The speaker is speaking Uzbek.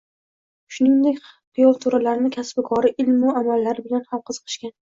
Shuningdek kuyovto‘ralarni kasbu kori, ilmi-yu amali bilan ham qiziqishgan